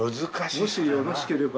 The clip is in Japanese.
もしよろしければ。